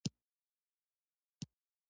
کمې خبرې، ډېر سکون لري.